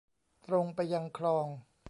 ตรงไปยังคลอง